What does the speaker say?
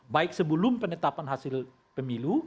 baik sebelum penetapan hasil pemilu